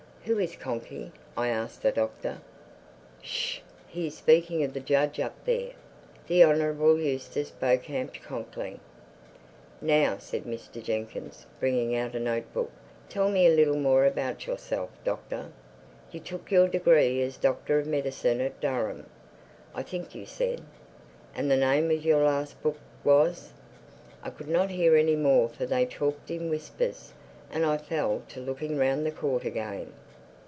"Who is Conkey?" I asked the Doctor. "Sh! He is speaking of the judge up there, the Honorable Eustace Beauchamp Conckley." "Now," said Mr. Jenkyns, bringing out a note book, "tell me a little more about yourself, Doctor. You took your degree as Doctor of Medicine at Durham, I think you said. And the name of your last book was?" I could not hear any more for they talked in whispers; and I fell to looking round the court again.